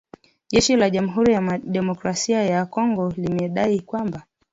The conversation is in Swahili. Jeshi la jamhuri ya kidemokrasia ya Kongo limedai kwamba